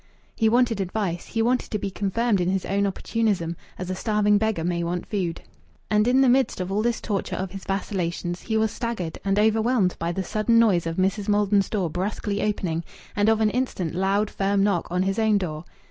He wanted advice, he wanted to be confirmed in his own opportunism, as a starving beggar may want food. And in the midst of all this torture of his vacillations, he was staggered and overwhelmed by the sudden noise of Mrs. Maldon's door brusquely opening, and of an instant loud, firm knock on his own door.